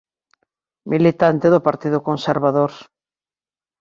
Militante do Partido Conservador.